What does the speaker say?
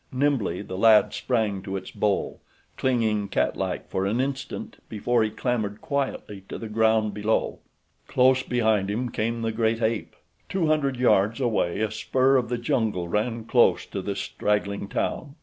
Nimbly the lad sprang to its bole, clinging cat like for an instant before he clambered quietly to the ground below. Close behind him came the great ape. Two hundred yards away a spur of the jungle ran close to the straggling town.